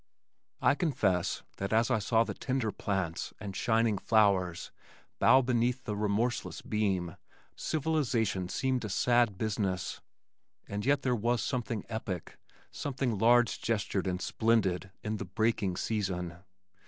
I confess that as I saw the tender plants and shining flowers bow beneath the remorseless beam, civilization seemed a sad business, and yet there was something epic, something large gestured and splendid in the "breaking" season.